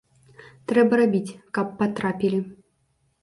Трэба рабіць, каб патрапілі.